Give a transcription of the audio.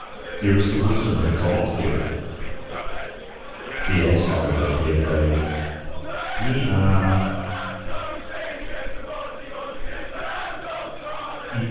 There is the wisdom of a God therein. The ass, however, here brayed YE A. LXXVIII.